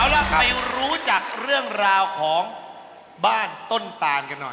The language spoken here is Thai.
เอาล่ะไปรู้จักเรื่องราวของบ้านต้นตานกันหน่อย